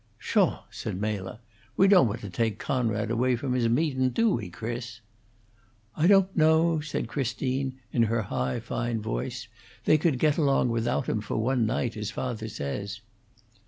"Pshaw!" said Mela. "We don't want to take Conrad away from his meetun', do we, Chris?" "I don't know," said Christine, in her high, fine voice. "They could get along without him for one night, as father says."